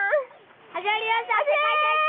始まりました